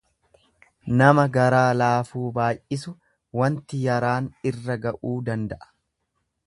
Nama garaa laafuu baay'isu wanti yaraan irra ga'uu danda'a.